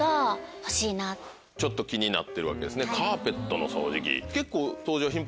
ちょっと気になってるわけですねカーペットの掃除機。